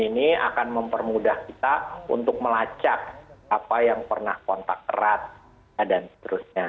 ini akan mempermudah kita untuk melacak apa yang pernah kontak erat dan seterusnya